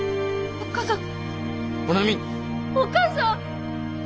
おっ母さん！